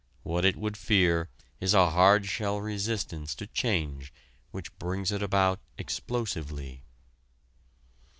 What it would fear is a hard shell resistance to change which brings it about explosively.